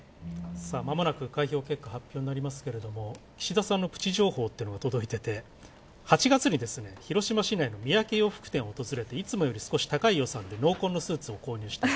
まもなく開票結果発表になりますけれども岸田さんのプチ情報というのが届いてて８月に広島の洋服店を訪れて、いつもより少し高い予算で濃紺のスーツを購入したと。